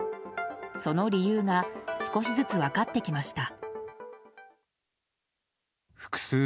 その理由が少しずつ分かってきました。